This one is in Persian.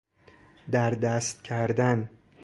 دردست کردن